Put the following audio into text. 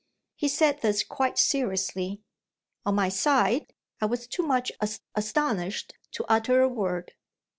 He said this quite seriously. On my side, I was too much as astonished to utter a word.